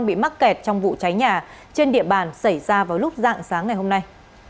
bị mắc kẹt trong vụ cháy nhà trên địa bàn xảy ra vào lúc dạng sáng ngày hôm nay